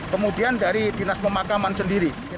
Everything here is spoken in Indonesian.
kemudian dari dinas pemakaman sendiri